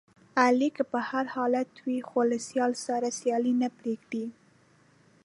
علي که په هر حالت وي، خو له سیال سره سیالي نه پرېږدي.